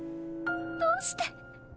どうして。